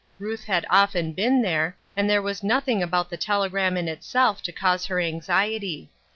Ruth had often been there, and there was nothing about the telegram in itself, to cause her anxiety.